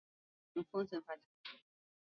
李世鹤多次被提名为工程院院士。